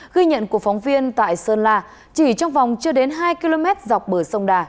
ghi nhận của phóng viên tại sơn la chỉ trong vòng chưa đến hai km dọc bờ sông đà